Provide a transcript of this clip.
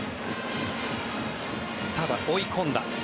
ただ、追い込んだ。